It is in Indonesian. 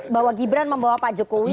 bahwa gibran membawa pak jokowi